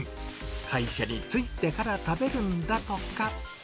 会社に着いてから食べるんだとか。